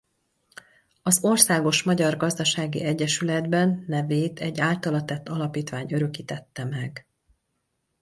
Az országos magyar gazdasági egyesületben nevét egy általa tett alapítvány örökítette meg.